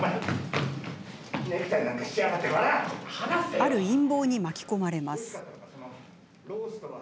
ある陰謀に巻き込まれます。